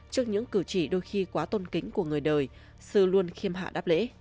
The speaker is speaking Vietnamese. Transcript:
trước những cử chỉ đôi khi quá tôn kính của người đời sư luôn khiêm hạ đáp lễ